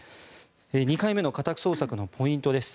２回目の家宅捜索のポイントです。